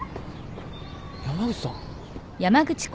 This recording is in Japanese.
山口さん。